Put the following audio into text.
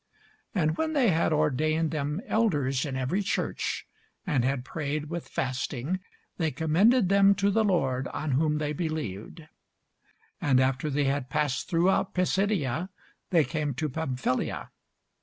And when they had ordained them elders in every church, and had prayed with fasting, they commended them to the Lord, on whom they believed. And after they had passed throughout Pisidia, they came to Pamphylia.